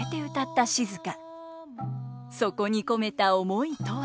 そこに込めた思いとは。